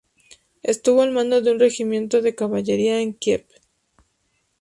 Estuvo al mando de un regimiento de caballería en Kiev.